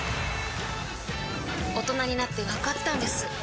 大人になってわかったんです